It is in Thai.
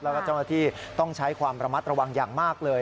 แล้วก็เจ้าหน้าที่ต้องใช้ความระมัดระวังอย่างมากเลย